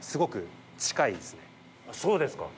そうですか！